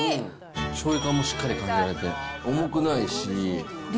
しょうゆ感もしっかり感じられて、重くないし。